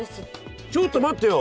ちょっと待ってよ！